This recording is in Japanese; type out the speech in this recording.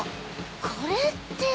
これって。